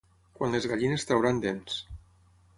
Quan les gallines trauran dents.